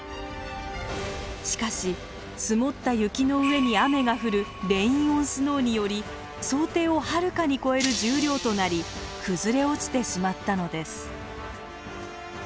しかし積もった雪の上に雨が降る「レイン・オン・スノー」により想定をはるかに超える重量となり崩れ落ちてしまったのです。